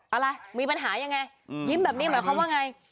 อะไรมีปัญหายังไงอืมยิ้มแบบนี้เหมือนคำว่าไง